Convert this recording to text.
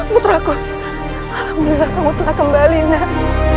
puteraku alhamdulillah kamu telah kembali nek